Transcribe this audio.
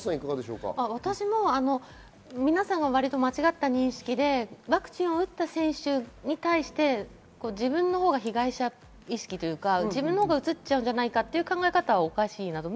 私も皆さんが間違った認識でワクチンを打った選手に対して自分のほうが被害者意識というか、うつっちゃうんじゃないかという考え方はおかしいと。